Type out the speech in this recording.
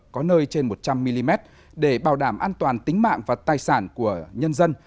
có nơi trên một trăm linh mm để bảo đảm an toàn tính mạng và tài sản của nhân dân